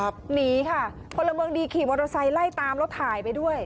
เพราะละเมืองดีขี่มอตโอซัยไล่ตามลดถ่ายไปด้วย